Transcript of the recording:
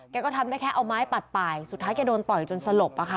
ก็ทำได้แค่เอาไม้ปัดป่ายสุดท้ายแกโดนต่อยจนสลบอะค่ะ